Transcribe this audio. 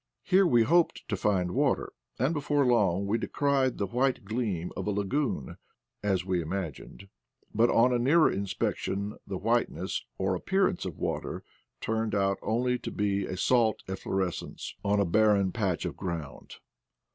Here we hoped to find water, and before long we descried the white gleam of a lagoon, as we imagined, but on a nearer inspection the whiteness or appearance of water turned out to be only a salt efflorescence on a barren patch of ground.